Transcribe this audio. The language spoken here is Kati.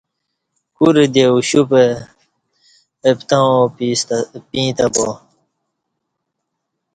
کورہ دے اُشوپہ اپتں آو پی تں با